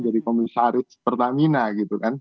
jadi komunis aris pertamina gitu kan